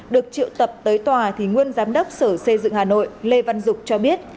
được triệu tập tới tòa thì nguyên giám đốc sở xây dựng hà nội lê văn dục cho biết